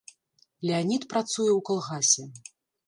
Леанід працуе ў калгасе.